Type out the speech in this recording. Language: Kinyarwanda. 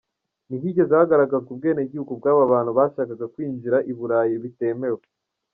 Ntihigeze hagaragazwa ubwenegihugu bw’aba bantu bashakaga kwinjira i Burayi bitemewe.